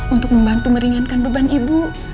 untuk membantu meringankan beban ibu